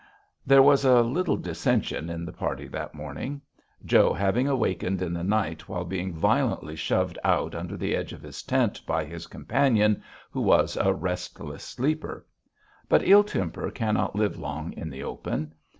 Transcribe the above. There was a little dissension in the party that morning, Joe having wakened in the night while being violently shoved out under the edge of his tent by his companion, who was a restless sleeper. But ill temper cannot live long in the open.